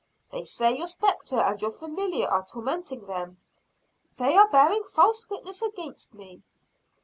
"They say your spectre and your familiar are tormenting them." "They are bearing false witness against me."